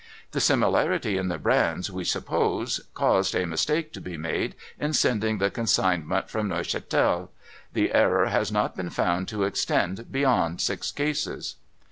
The similarity in the brands, we suppose, caused a mistake to be made in sending the consignment from Neuchatel. The error has not been found to extend beyond six cases.'